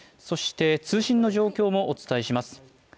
そして通信の状況もお伝えします。